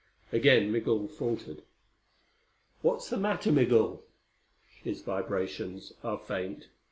Again Migul faltered. "What's the matter, Migul?" "His vibrations are faint.